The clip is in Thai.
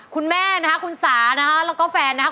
คุณแม่นะครับคุณสานะครับแล้วก็แฟนนะครับ